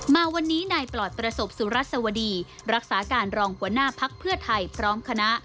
มาวันนี้นายปลอดประสบสุรัสวดีรักษาการรองหัวหน้าพักเพื่อไทยพร้อมคณะ